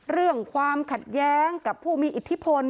เรื่องความขัดแย้งกับผู้มีอิทธิพล